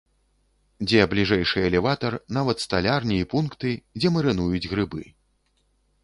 Дзе бліжэйшы элеватар, нават сталярні і пункты, дзе марынуюць грыбы.